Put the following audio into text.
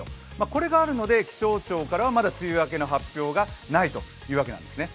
これがあるので気象庁からはまだ梅雨明けの発表がないというわけなんですね。